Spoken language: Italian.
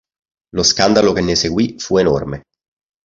Lo scandalo che ne seguì fu enorme.